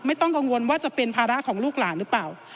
ไม่ต้องกังวลว่าจะเป็นภาระของลูกหลานหรือเปล่า